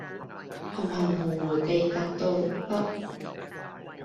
含含胡胡的答道，「不……」